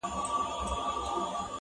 که نسيم الوزي اِېرې اوروي!!